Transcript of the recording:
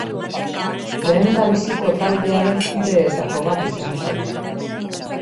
Lehendabiziko taldearen kideetako bat izan zen.